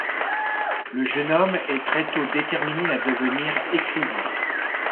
Le jeune-homme est très tôt déterminé à devenir écrivain.